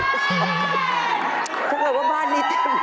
พวกเขาบอกว่าบ้านนี้เต็มแล้ว